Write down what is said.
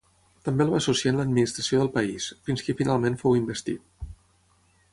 També el va associar en l'administració del país, fins que finalment fou investit.